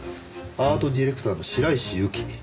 アートディレクターの白石由紀。